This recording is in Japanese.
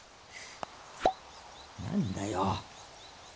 何だよ。